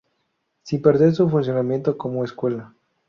Sin perder su funcionamiento como escuela.